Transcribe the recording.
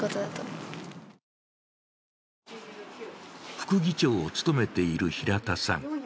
副議長を務めている平田さん。